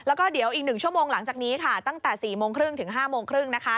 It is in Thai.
แล้วก็เดี๋ยวอีก๑ชั่วโมงหลังจากนี้ค่ะตั้งแต่๔โมงครึ่งถึง๕โมงครึ่งนะคะ